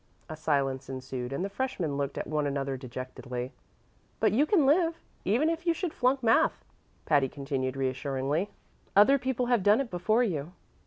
A silence ensued, and the freshmen looked at one another dejectedly. "But you can live, even if you should flunk math," Patty continued reassuringly. "Other people have done it before you."